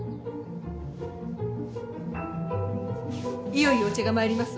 いよいよお茶が参りますわよ。